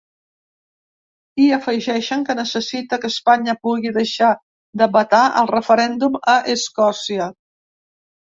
I afegeixen que necessita que “Espanya pugui deixar de vetar el referèndum a Escòcia”.